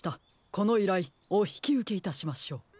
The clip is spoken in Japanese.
このいらいおひきうけいたしましょう。